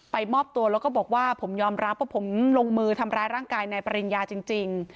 มอบตัวแล้วก็บอกว่าผมยอมรับว่าผมลงมือทำร้ายร่างกายนายปริญญาจริง